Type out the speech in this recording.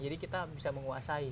jadi kita bisa menguasai